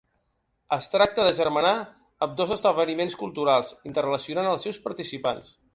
Es tracta d’agermanar ambdós esdeveniments culturals interrelacionant els seus participants.